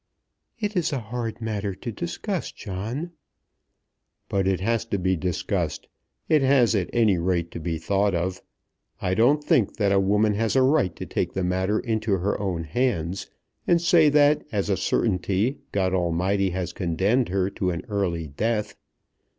"It is a hard matter to discuss, John." "But it has to be discussed. It has at any rate to be thought of. I don't think that a woman has a right to take the matter into her own hands, and say that as a certainty God Almighty has condemned her to an early death.